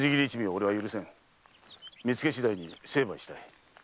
見つけ次第成敗したい。